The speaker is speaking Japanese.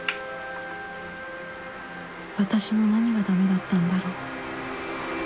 私の何がダメだったんだろう